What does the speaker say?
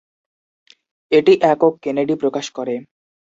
এটি একক "কেনেডি" প্রকাশ করে।